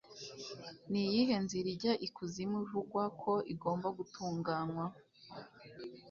Niyihe nzira ijya ikuzimu ivugwa ko igomba gutunganywa?